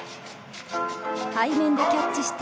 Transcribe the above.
背面でキャッチして。